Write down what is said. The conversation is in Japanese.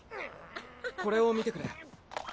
これを見てくれ。